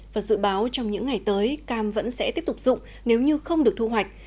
và dự báo trong những ngày tới cam vẫn sẽ tiếp tục dụng nếu như không được thu hoạch